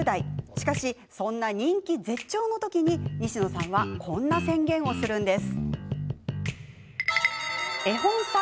しかし、そんな人気絶頂の時に西野さんはこんな宣言をするんです。